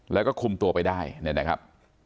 แล้วก็คุมตัวไปได้เนี่ยนะครับ